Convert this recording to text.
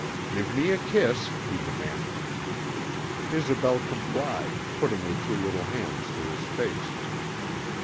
"Give me a kiss," he demanded. Isobel complied, putting her two little hands to his face.